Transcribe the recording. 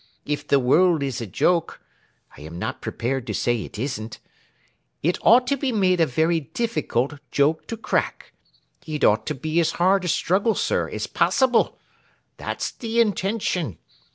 If the world is a joke (I am not prepared to say it isn't), it ought to be made a very difficult joke to crack. It ought to be as hard a struggle, sir, as possible. That's the intention.